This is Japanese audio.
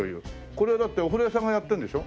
これはだってお風呂屋さんがやってるんでしょ？